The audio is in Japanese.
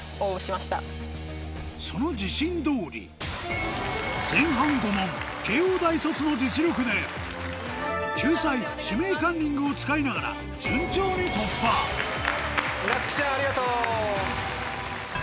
その自信通り前半５問慶應大卒の実力で救済「指名カンニング」を使いながらなつきちゃんありがとう。